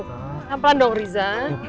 pelan pelan dong riza